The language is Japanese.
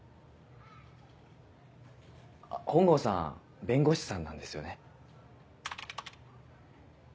本郷さん弁護士さんなんですよね？